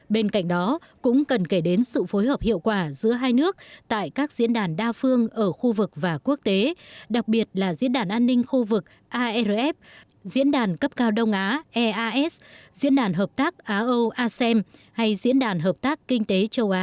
bên cạnh đó cũng cần kể đến sự phối hợp hiệu quả giữa hai nước tại các diễn đàn đa phương ở khu vực và quốc tế đặc biệt là diễn đàn an ninh khu vực arf diễn đàn cấp cao đông á eas diễn đàn hợp tác á âu asem hay diễn đàn hợp tác kinh tế châu á